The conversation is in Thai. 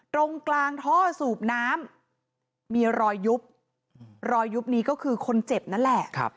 ตรงกลางท่อสูบน้ำมีรอยยุบรอยยุบนี้ก็คือคนเจ็บนั่นแหละ